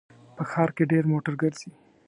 په ښار کې ډېر موټر ګرځي